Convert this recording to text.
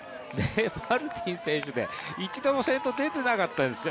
マルティン選手、一度も先頭に出ていなかったんですよ。